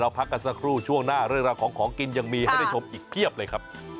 รสชาติมันดีจริง